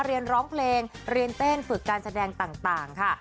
เรียนร้องเพลงเรียนเต้นฝึกการแสดงต่างค่ะ